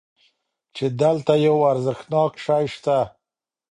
چې دلته یو ارزښتناک شی شته.